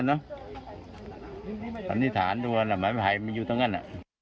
อันนี้ฐานตัวหลักไว้ไภมันอยู่ทั้งนั้น